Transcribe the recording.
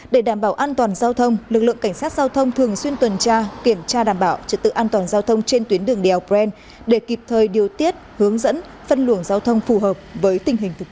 để đảm bảo an toàn giao thông lực lượng cảnh sát giao thông thường xuyên tuần tra kiểm tra đảm bảo trật tự an toàn giao thông trên tuyến đường đèo pren để kịp thời điều tiết hướng dẫn phân luồng giao thông phù hợp với tình hình thực tế